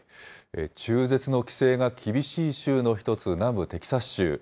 中絶の規制が厳しい州の一つ、南部テキサス州。